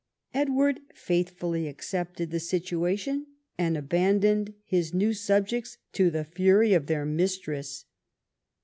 Edward faithfully accepted the situation, and abandoned his new subjects to the fury of their mistress.